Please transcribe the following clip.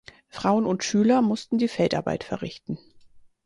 Frauen und Schüler mussten die Feldarbeit verrichten.